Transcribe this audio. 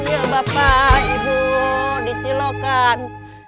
ya bapak ibu dicilokkan